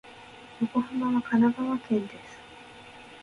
横浜は神奈川県です。